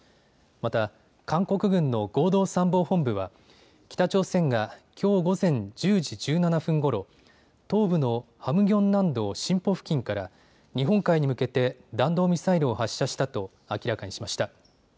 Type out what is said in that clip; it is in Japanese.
また、韓国軍の合同参謀本部は北朝鮮がきょう午前１０時１７分ごろ、東部のハムギョン南道シンポ付近から日本海に向けて弾道ミサイルを発射したと明らかにしました。